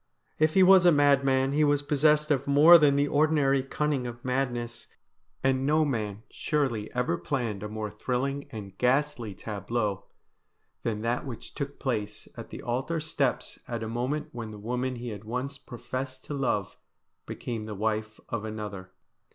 If he was a madman he was possessed of more than the ordinary cunning of madness ; and no man surely ever planned a more thrilling and ghastly tableau than that THE BRIDE OF DEA 7H 105 which took place at the altar steps at a moment when the woman he had once professed to love became the wife of another.